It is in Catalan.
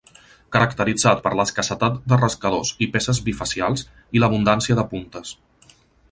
Caracteritzat per l'escassetat de rascadors i peces bifacials, i l'abundància de puntes.